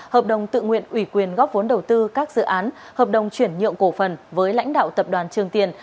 hợp đồng tự nguyện ủy quyền góp vốn đầu tư các dự án hợp đồng chuyển nhượng cổ phần với lãnh đạo tập đoàn trường tiền